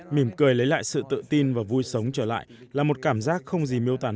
mỉm cười lấy lại sự tự tin và vui sống trở lại là một cảm giác không gì miêu tả